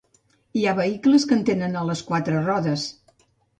Hi ha vehicles que en tenen a les quatre rodes.